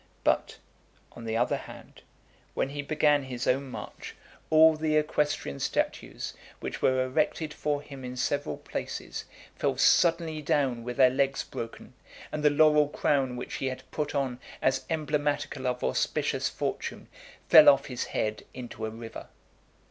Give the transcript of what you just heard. But, on the other hand, when he began his own march, all the equestrian statues, which were erected for him in several places, fell suddenly down with their legs broken; and the laurel crown, which he had put on as emblematical of auspicious fortune, fell off his head into a river.